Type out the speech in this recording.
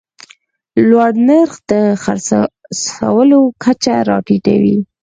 لوړ نرخ د خرڅلاو کچه راټیټوي.